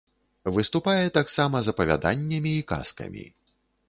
Выступае таксама з апавяданнямі і казкамі.